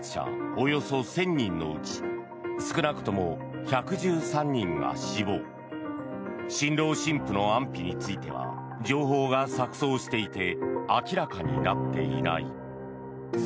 およそ１０００人のうち少なくとも１１３人が死亡新郎新婦の安否については情報が錯そうしていて明らかになっていない。